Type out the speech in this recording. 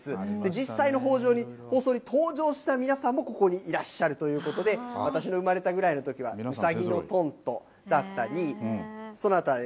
実際の放送に登場した皆さんも、ここにいらっしゃるということで、私の生まれたぐらいのときは、だったり、そのあとはね